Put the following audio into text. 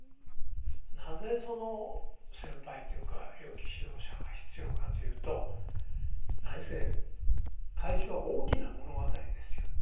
なぜその先輩というかよき指導者が必要かというと何せ「歎異抄」は「大きな物語」ですよ。